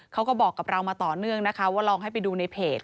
เขาก็บอกกับเรามาต่อเนื่องนะคะว่าลองให้ไปดูในเพจ